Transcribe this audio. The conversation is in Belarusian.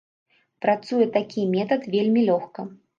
Працуе такі метад вельмі лёгка.